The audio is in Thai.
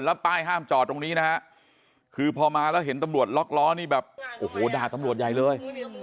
แล้วป้ายห้ามจอดตรงนี้นะฮะคือพอมาแล้วเห็นตำรวจล็อกล้อนี่แบบโอ้โหด่าตำรวจใหญ่เลย